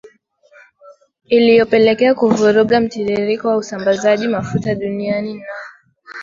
iliyopelekea kuvuruga mtiririko wa usambazaji mafuta duniani na